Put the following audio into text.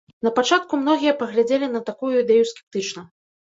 Напачатку многія паглядзелі на такую ідэю скептычна.